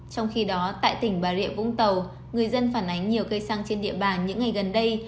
trong khi đó tại tỉnh bà rịa vũng tàu người dân phản ánh nhiều cây xăng trên địa bàn những ngày gần đây